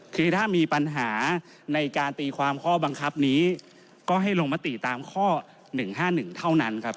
คือถ้ามีปัญหาในการตีความข้อบังคับนี้ก็ให้ลงมติตามข้อ๑๕๑เท่านั้นครับ